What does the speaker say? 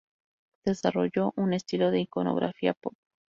Desarrolló un estilo de iconografía Pop.